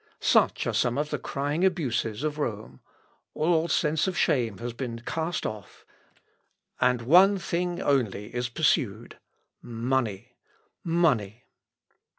... Such are some of the crying abuses of Rome; all sense of shame has been cast off, and one thing only is pursued ... money! money!